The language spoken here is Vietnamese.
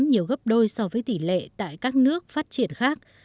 nhiều gấp đôi so với tỷ lệ tại các nước phát triển khác